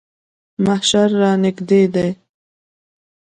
محشر رانږدې دی.